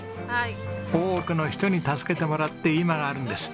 多くの人に助けてもらって今があるんです。